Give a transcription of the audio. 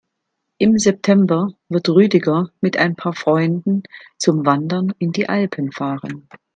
Im September wird Rüdiger mit ein paar Freunden zum Wandern in die Alpen fahren.